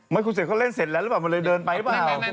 คุณเสกเขาเล่นเสร็จแล้วหรือเปล่ามันเลยเดินไปหรือเปล่า